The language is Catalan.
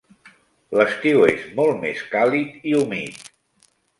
L'estiu és molt més càlid i humit.